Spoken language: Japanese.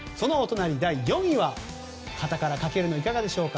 第４位は肩から掛けるのにいかがでしょうか。